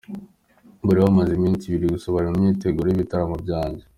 Bari bahamaze iminsi ibiri gusa bari mu myiteguro y’ibitaramo byanjye”.